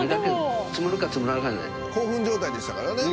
興奮状態でしたからね。